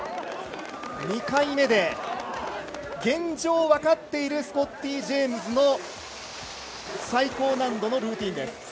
２回目で現状分かっているスコッティ・ジェームズの最高難度のルーティンです。